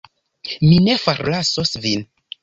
Mi ne forlasos Vin.